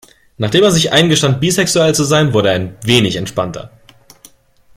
Nachdem er sich eingestand, bisexuell zu sein, wurde er ein wenig entspannter.